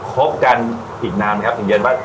ครบกันอีกนานไหมครับเหมือนเดี๋ยวนี้